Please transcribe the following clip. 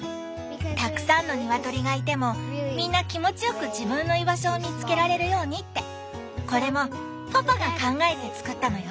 たくさんのニワトリがいてもみんな気持ちよく自分の居場所を見つけられるようにってこれもパパが考えて作ったのよ！